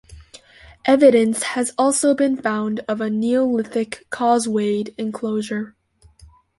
Evidence has also been found of a Neolithic Causewayed enclosure.